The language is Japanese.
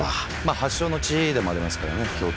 発祥の地でもありますからね京都は。